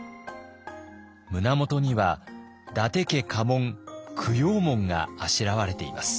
胸元には伊達家家紋九曜紋があしらわれています。